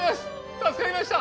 助かりました。